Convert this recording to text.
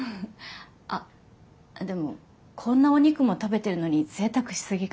あでもこんなお肉も食べてるのに贅沢しすぎかな。